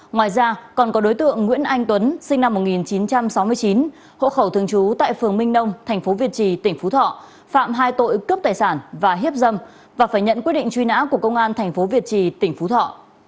ngoài ra còn có đối tượng nguyễn anh tuấn sinh năm một nghìn chín trăm sáu mươi chín hộ khẩu thường trú tại phường minh đông thành phố việt trì tỉnh phú thọ phạm hai tội cướp tài sản và hiếp dâm và phải nhận quyết định truy nã của công an tp việt trì tỉnh phú thọ